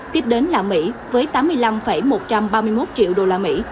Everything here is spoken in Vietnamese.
tiếp đến là mỹ với tám mươi năm một trăm ba mươi một triệu đô la mỹ